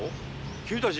君たち